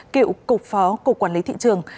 cựu cục phó cục quản lý thị trường